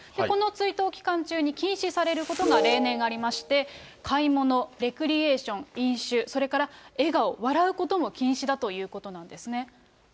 この追悼期間中に禁止されることが例年ありまして、買い物、レクリエーション、飲酒、それから笑顔、笑うことも禁止だということなんですね。